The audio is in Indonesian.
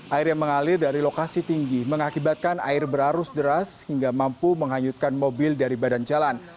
air yang mengalir dari lokasi tinggi mengakibatkan air berarus deras hingga mampu menghanyutkan mobil dari badan jalan